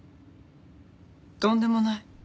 とんでもない。